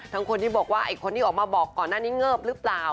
คนที่บอกว่าไอ้คนที่ออกมาบอกก่อนหน้านี้เงิบหรือเปล่า